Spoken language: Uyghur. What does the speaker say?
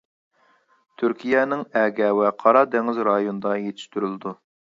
تۈركىيەنىڭ ئەگە ۋە قارا دېڭىز رايونىدا يېتىشتۈرۈلىدۇ.